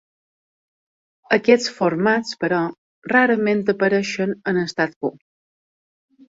Aquests formats, però, rarament apareixien en estat pur.